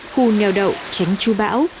khu nèo đậu tránh chu bão